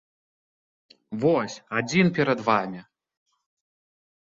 Вось, адзін перад вамі!